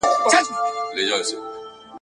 پکښي ناست به د ناحقه شاهدان ول ,